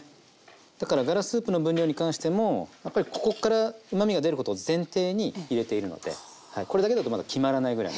だからガラスープの分量に関してもやっぱりここからうまみが出ることを前提に入れているのでこれだけだとまだ決まらないぐらいの量ですね。